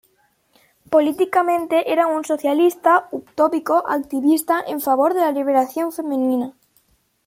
Políticamente era un socialista utópico activista en favor de la liberación femenina.